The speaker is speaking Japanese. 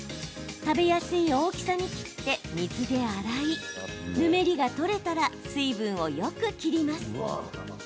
食べやすい大きさに切って水で洗いぬめりが取れたら水分をよく切ります。